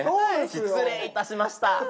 失礼いたしました。